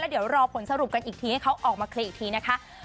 เดี๋ยวรอผลสรุปกันอีกทีให้เขาออกมาเคลียร์อีกทีนะคะ